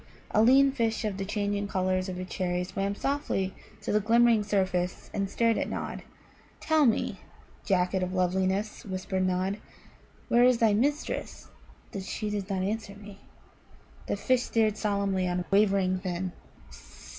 A lean fish of the changing colours of a cherry swam softly to the glimmering surface and stared at Nod. "Tell me, Jacket of Loveliness," whispered Nod, "where is thy mistress that she does not answer me?" The fish stared solemnly on wavering fin.